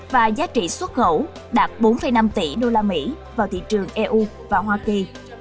và giá trị xuất khẩu đạt bốn năm tỷ usd vào thị trường eu và hoa kỳ